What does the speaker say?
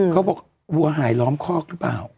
เขาบอกกลัวหายล้อมคอกหรือเปล่า